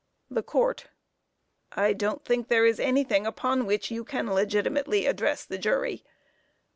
THE COURT: I don't think there is anything upon which you can legitimately address the jury.